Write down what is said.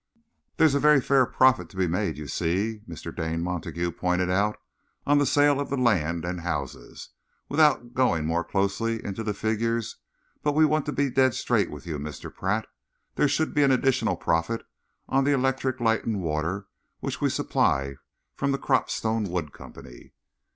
"There's a very fair profit to be made, you see," Mr. Dane Montague pointed out, "on the sale of the land and houses, without going more closely into the figures, but we want to be dead straight with you, Mr. Pratt. There should be an additional profit on the electric light and water which we supply from the Cropstone Wood Company."